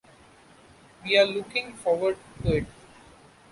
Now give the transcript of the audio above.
We're looking forward to it.